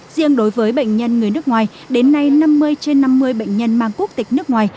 riêng đối với bệnh nhân người nước ngoài đến nay năm mươi trên năm mươi bệnh nhân mang quốc tịch nước ngoài